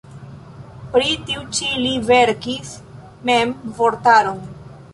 Pri tiu ĉi li verkis mem vortaron.